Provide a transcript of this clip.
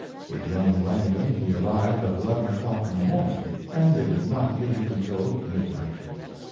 With young Langdon he arrived at eleven o'clock in the morning, and they did not leave until midnight.